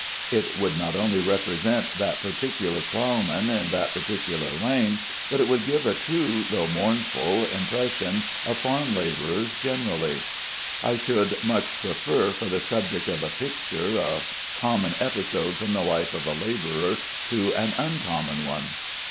It would not only represent that particular ploughman in that particular lane, but it would give a true though mournful impression of farm laborers generally. I should much prefer for the subject of a picture, a common episode from the life of a laborer to an uncommon one.